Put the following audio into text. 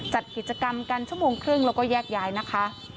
จัดกิจกรรมกันชั่วโมงครึ่งแล้วก็แยกย้ายนะคะ